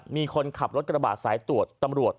มีคนขับรถกระบาดสายตรวจ